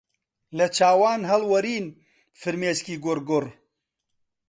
لە چاوان هەڵوەرین فرمێسکی گوڕگوڕ